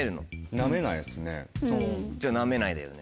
じゃあなめないだよね。